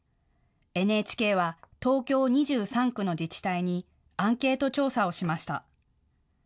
ＮＨＫは東京２３区の自治体にアンケート調査をしました。